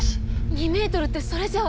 ２ｍってそれじゃ。